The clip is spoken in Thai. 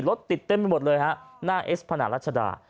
รถติดเต็มไปหมดเลยฮะหน้าเอสพนารัชดา